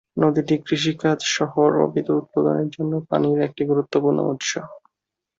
নদীটি কৃষিকাজ, শহর ও বিদ্যুত উৎপাদনের জন্য পানির একটি গুরুত্বপূর্ণ উৎস।